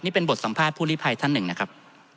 นี่เป็นบทสัมภาษณ์ผู้ลิภัยท่านหนึ่งนะครับ